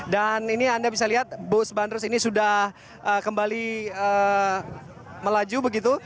dan ini anda bisa lihat bus bandrus ini sudah kembali melaju begitu